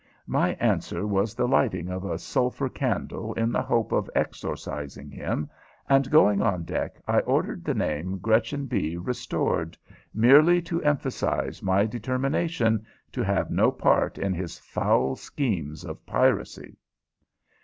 My answer was the lighting of a sulphur candle in the hope of exorcising him, and, going on deck, I ordered the name Gretchen B. restored, merely to emphasize my determination to have no part in his foul schemes of piracy.